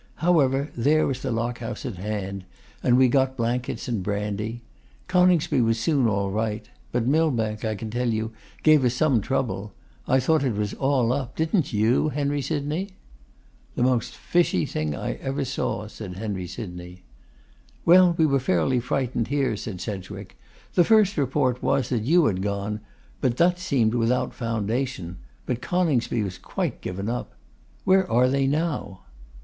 However, there was the Lock House at hand; and we got blankets and brandy. Coningsby was soon all right; but Millbank, I can tell you, gave us some trouble. I thought it was all up. Didn't you, Henry Sydney?' 'The most fishy thing I ever saw,' said Henry Sydney. 'Well, we were fairly frightened here,' said Sedgwick. 'The first report was, that you had gone, but that seemed without foundation; but Coningsby was quite given up. Where are they now?